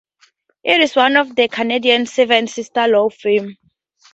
It is one of the Canadian "Seven Sisters" law firms.